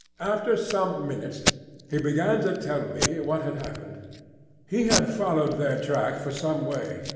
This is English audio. After some minutes he began to tell me what had happened. He had followed their track for some way.